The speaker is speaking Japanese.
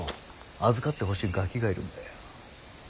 預かってほしいガキがいるんだよ。